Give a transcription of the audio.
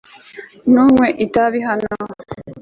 Ntunywe itabi hano